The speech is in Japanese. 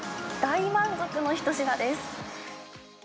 大満足の一品です。